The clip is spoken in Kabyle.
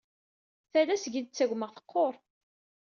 Tala seg i d-ttagumeɣ teqqur.